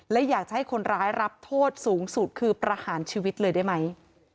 และอยากจะให้คนร้ายรับโทษสูงสุดคือประหารชีวิตเลยได้ไหม